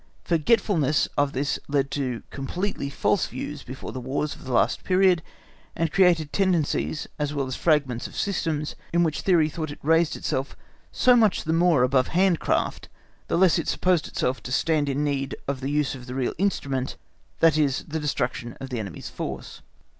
Forgetfulness of this led to completely false views before the Wars of the last period, and created tendencies as well as fragments of systems, in which theory thought it raised itself so much the more above handicraft, the less it supposed itself to stand in need of the use of the real instrument, that is the destruction of the enemy's force.